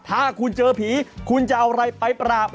ถ้าคุณเจอผีคุณจะเอาอะไรไปปราบ